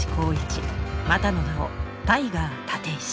またの名をタイガー立石。